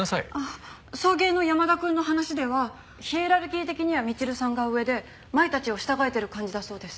送迎の山田くんの話ではヒエラルキー的にはみちるさんが上で麻衣たちを従えてる感じだそうです。